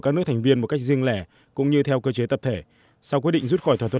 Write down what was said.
các nước thành viên một cách riêng lẻ cũng như theo cơ chế tập thể sau quyết định rút khỏi thỏa thuận